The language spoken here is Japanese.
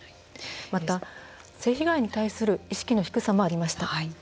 また、性被害に対する意識の低さもありました。